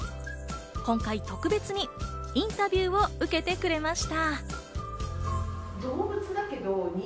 今回特別にインタビューを受けてくれました。